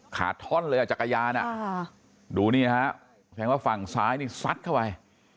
ขาธลเลยอ่ะจักรยานอ่ะดูนี่นะฮะแปลงว่าฝั่งซ้ายนี่สัดเข้าไว้